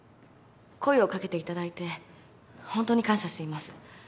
声を掛けていただいてホントに感謝しています。